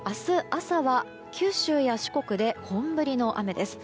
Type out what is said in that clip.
朝は九州や四国で本降りの雨です。